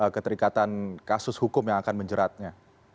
keterikatan kasus hukum yang akan menjeratnya